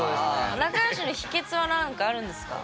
仲よしの秘けつは何かあるんですか？